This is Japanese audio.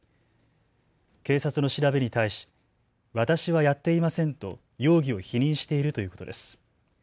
警察の調べに対し私はやっていませんと容疑を否認しているということです。